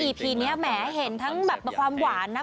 พีนี้แหมเห็นทั้งแบบความหวานนะ